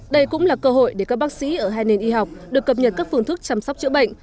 đây cũng là cơ hội để các bác sĩ ở hai nền y học được cập nhật các phương thức chăm sóc chữa bệnh